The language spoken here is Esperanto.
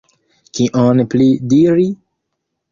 Kion pli diri?